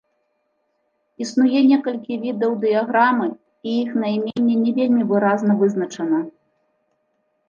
Існуе некалькі відаў дыяграмы, і іх найменне не вельмі выразна вызначана.